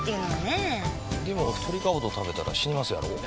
でもトリカブト食べたら死にますやろ？